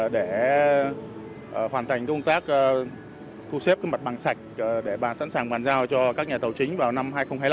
để hoàn thành công tác thu xếp mặt bằng sạch để sẵn sàng bàn giao cho các nhà tàu chính vào năm hai nghìn hai mươi năm